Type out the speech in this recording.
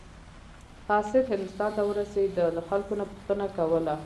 قاصد هندوستان ته ورسېده له خلکو نه پوښتنه کوله.